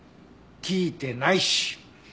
聞いてないし。